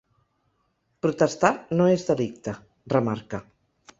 Protestar no és delicte, remarca.